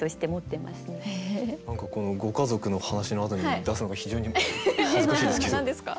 何かご家族の話のあとに出すのが非常に恥ずかしいんですけど。